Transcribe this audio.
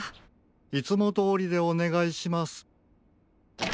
いつもどおりでおねがいします。